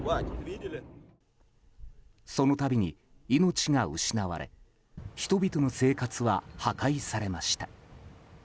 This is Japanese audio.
そのたびに命が失われ人々の生活は破壊されました。